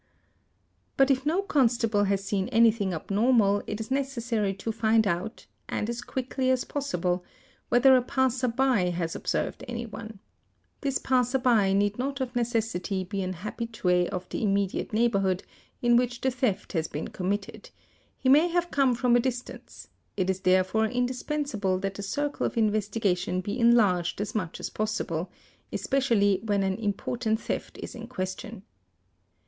| But if no constable has seen anything abnormal, it is necessary to find out—and as quickly as possible—whether a passer by has observed anyone. 'This passer by need not of necessity be an habitué of the imme diate neighbourhood in which the theft has been committed—he may have come from a distance; it is therefore indispensable that the circle of investigation be enlarged as much as possible—especially when an important theft 1s in question.